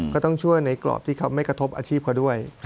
ก็ต้องช่วยในกรอบที่เขาไม่กระทบอาชีพเขาด้วย